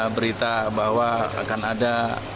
berita bahwa akan ada